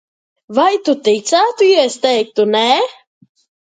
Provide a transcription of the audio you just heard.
"Vai tu ticētu, ja es teiktu "nē"?"